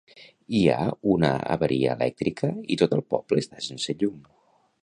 Hi ha una avaria elèctrica i tot el poble està sense llum